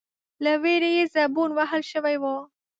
، له وېرې يې زبون وهل شوی و،